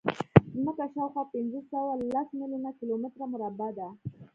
ځمکه شاوخوا پینځهسوهلس میلیونه کیلومتره مربع ده.